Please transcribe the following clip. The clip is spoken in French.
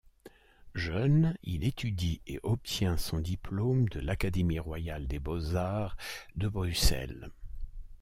Jeune, il étudie et obtient son diplôme de l’Académie royale des beaux-arts de Bruxelles.